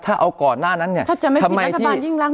ถ้าเอาก่อนหน้านั้นเนี่ยถ้าจะไม่คิดรัฐบาลยิ่งรัก